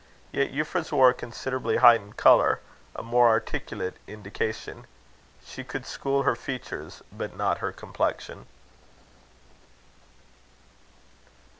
Yet Euphra's wore a considerably heightened colour a more articulate indication. She could school her features, but not her complexion.